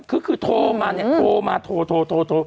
คือโทหมาเนี่ยโทหมาโทห